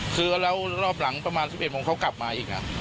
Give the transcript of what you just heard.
คือแล้วรอบหลังประมาณ๑๑โมงเขากลับมาอีก